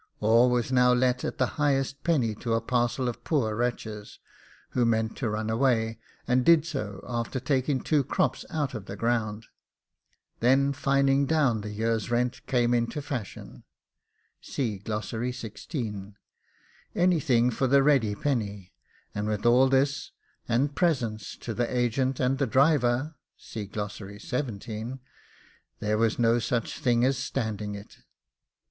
All was now let at the highest penny to a parcel of poor wretches, who meant to run away, and did so, after taking two crops out of the ground. Then fining down the year's rent came into fashion anything for the ready penny; and with all this and presents to the agent and the driver, there was no such thing as standing it.